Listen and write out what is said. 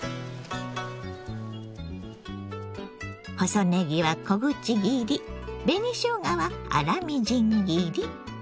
細ねぎは小口切り紅しょうがは粗みじん切り。